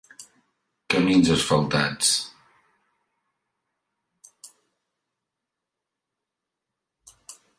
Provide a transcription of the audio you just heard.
Camins asfaltats.